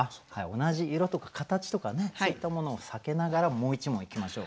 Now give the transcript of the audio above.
同じ色とか形とかねそういったものを避けながらもう一問いきましょう。